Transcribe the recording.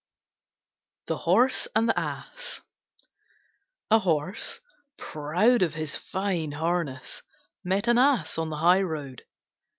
THE HORSE AND THE ASS A Horse, proud of his fine harness, met an Ass on the high road.